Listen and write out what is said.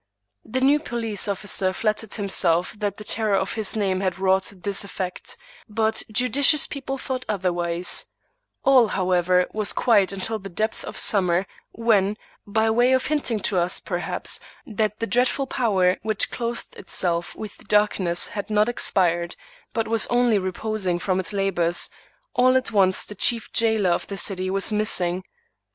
The new police officer flattered himself that the terror of his name had wrought this effect; but judicious people thought otherwise All, however, was quiet until the depth of summer, when, by way of hinting to us, perhaps, that the dreadful power which clothed itself with darkness had not expired, but was only reposing from its labors, all at once the chief jailer of the city was missing.